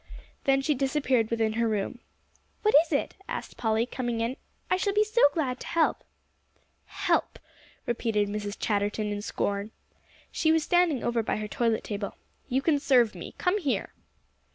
Then she disappeared within her room. "What is it?" asked Polly, coming in. "I shall be so glad to help." "Help!" repeated Mrs. Chatterton in scorn. She was standing over by her toilet table. "You can serve me; come here."